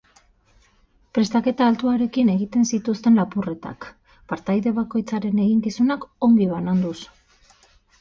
Prestaketa altuarekin egiten zituzten lapurretak, partaide bakoitzaren eginkizunak ongi bananduz.